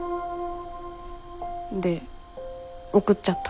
で送っちゃった。